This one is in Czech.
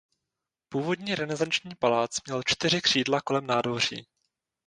Původní renesanční palác měl čtyři křídla kolem nádvoří.